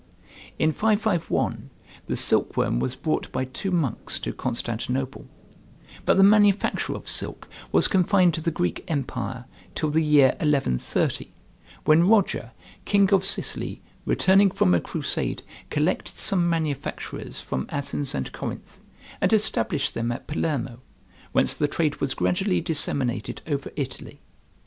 In 551 the silkworm was brought by two monks to Constantinople, but the manufacture of silk was confined to the Greek empire till the year 1130, when Roger, king of Sicily, returning from a crusade, collected some manufacturers from Athens and Corinth, and established them at Palermo, whence the trade was gradually disseminated over Italy.